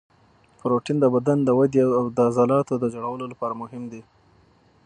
پروټین د بدن د ودې او د عضلاتو د جوړولو لپاره مهم دی